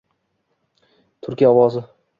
Turkiya ovozi